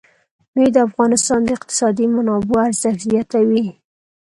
مېوې د افغانستان د اقتصادي منابعو ارزښت زیاتوي.